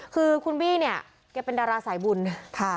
คือคุณบี้เนี่ยแกเป็นดาราสายบุญค่ะ